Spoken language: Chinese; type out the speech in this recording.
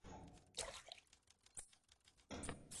粟末靺鞨得名。